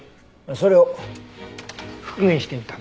それを復元してみたんだ。